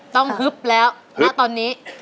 ฮึบแล้วณตอนนี้